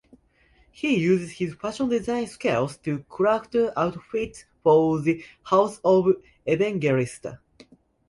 He uses his fashion design skills to craft outfits for the house of Evangelista.